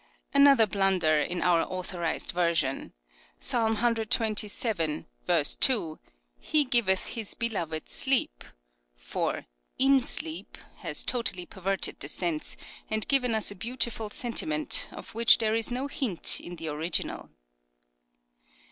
Another blunder in our Authorised Version, Psalm cxxvii. 2 : "He giveth His beloved sleep," for " in sleep," has totally perverted the sense and given us a beautiful sentiment, of which there is no hint in the original.